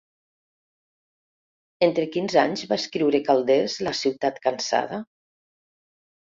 Entre quins anys va escriure Calders La ciutat cansada?